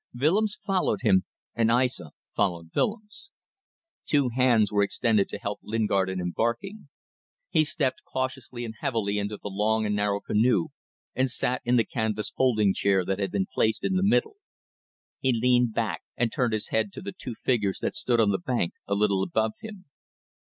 Willems followed him, and Aissa followed Willems. Two hands were extended to help Lingard in embarking. He stepped cautiously and heavily into the long and narrow canoe, and sat in the canvas folding chair that had been placed in the middle. He leaned back and turned his head to the two figures that stood on the bank a little above him.